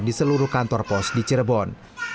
di seluruh kantor pos di cirebon